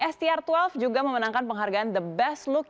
str dua belas juga memenangkan penghargaan the best look